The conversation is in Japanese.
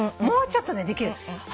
もうちょっとねできる。